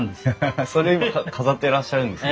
それを飾ってらっしゃるんですね。